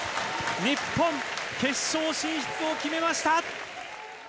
日本、決勝進出を決めました！